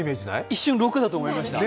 一瞬、６だと思いました。